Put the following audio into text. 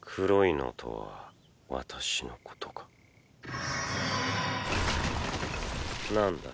黒いのとは私のことかなんだ。